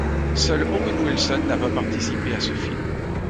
Seul Owen Wilson n'a pas participé à ce film.